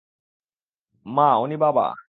মা, ওনি বাবা।